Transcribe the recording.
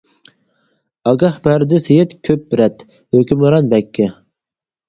ئاگاھ بەردى سېيىت كۆپ رەت، ھۆكۈمران بەگكە.